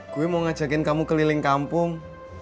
gue mau ngajakin kamu keliling kampung